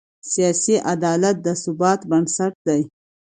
سیاسي عدالت د ثبات بنسټ دی